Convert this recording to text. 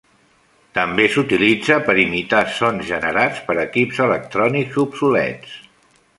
També s'utilitza per imitar sons generats per equips electrònics obsolets.